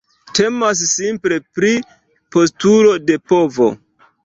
Temas simple pri postulo de povo.